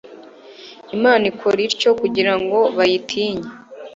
imana ikora ityo kugira ngo bayitinye